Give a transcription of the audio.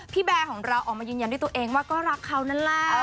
แบร์ของเราออกมายืนยันด้วยตัวเองว่าก็รักเขานั่นแหละ